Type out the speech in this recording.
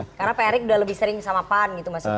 karena pak erik sudah lebih sering bersama pan gitu maksudnya